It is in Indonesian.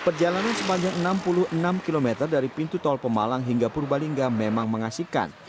perjalanan sepanjang enam puluh enam km dari pintu tol pemalang hingga purbalingga memang mengasihkan